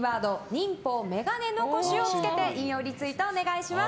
「＃忍法メガネ残し」をつけて引用リツイートをお願いします。